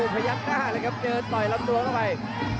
พยักหน้าเลยครับเดินต่อยลำตัวเข้าไป